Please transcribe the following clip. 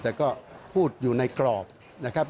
แต่ก็พูดอยู่ในกรอบนะครับ